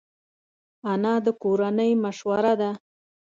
انا د کورنۍ مشوره ده